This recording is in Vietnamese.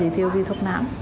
họ dễ thiếu vì thuốc nám